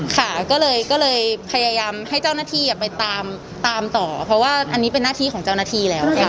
ค่ะก็เลยพยายามให้เจ้าหน้าที่ไปตามตามต่อเพราะว่าอันนี้เป็นหน้าที่ของเจ้าหน้าที่แล้วค่ะ